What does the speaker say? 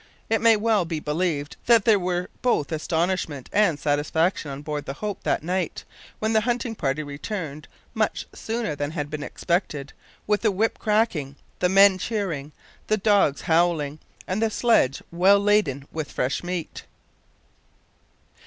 It may well be believed that there were both astonishment and satisfaction on board the Hope that night, when the hunting party returned, much sooner than had been expected, with the whip cracking, the men cheering, the dogs howling, and the sledge well laden with fresh meat.